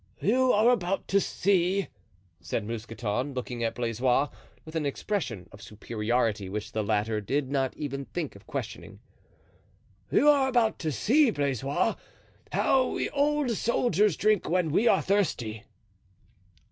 "You are about to see," said Mousqueton, looking at Blaisois with an expression of superiority which the latter did not even think of questioning, "you are about to see, Blaisois, how we old soldiers drink when we are thirsty."